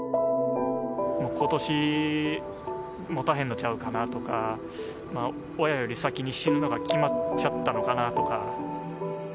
もう、ことしもたへんのちゃうかなとか、親より先に死ぬのが決まっちゃったのかなとか。